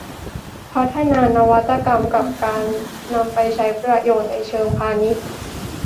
พัฒนานวัตกรรมกับการนำไปใช้ประโยชน์ในเชิงพาณิชย์